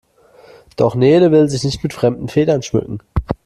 Doch Nele will sich nicht mit fremden Federn schmücken.